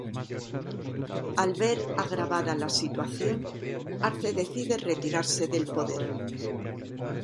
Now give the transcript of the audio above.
Al ver agravada la situación, Arce decide retirase del poder.